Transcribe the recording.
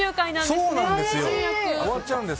そうなんです！